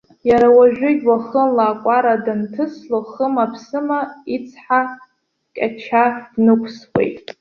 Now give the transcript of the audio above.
Иара уажәыгь, уахынла акәара данҭысло, хыма-ԥсыма ицҳа кьача днықәсуеит.